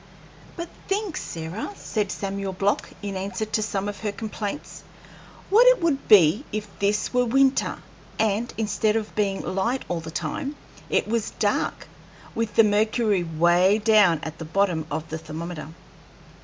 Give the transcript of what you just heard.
"But think, Sarah," said Samuel Block, in answer to some of her complaints, "what it would be if this were winter, and, instead of being light all the time, it was dark, with the mercury 'way down at the bottom of the thermometer!"